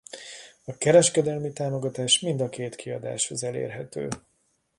A kereskedelmi támogatás mind a két kiadáshoz elérhető.